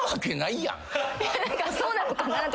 いや何かそうなのかなと。